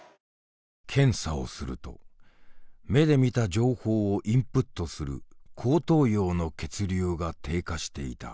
検査をすると目で見た情報をインプットする後頭葉の血流が低下していた。